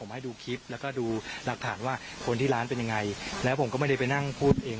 เหลือกี่คน